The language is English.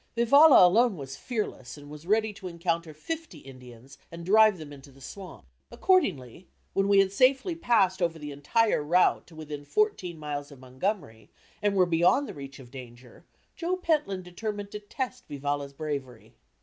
Vivalla alone was fearless and was ready to encounter fifty Indians and drive them into the swamp. Accordingly, when we had safely passed over the entire route to within fourteen miles of Montgomery, and were beyond the reach of danger, Joe Pentland determined to test Vivalla's bravery.